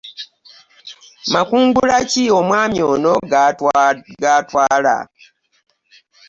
Makungula ki omwan ono gwatwala .